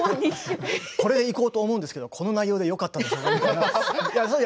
これでいこうと思うんですけれどこの内容でよかったでしょうかいや